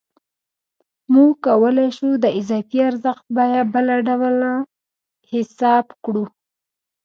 موږ کولای شو د اضافي ارزښت بیه بله ډول حساب کړو